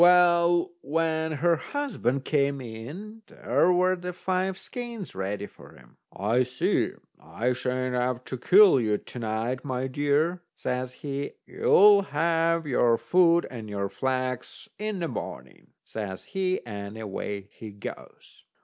Well, when her husband came in, there were the five skeins ready for him. "I see I sha'n't have to kill you to night, my dear," says he; "you'll have your food and your flax in the morning," says he, and away he goes.